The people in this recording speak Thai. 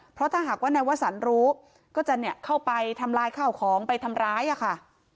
เพราะถ้าหากว่านายวสันรู้ก็จะเข้าไปทำลายข้าวของไปทำร้ายอะค่ะ